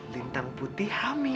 lintang putih hamil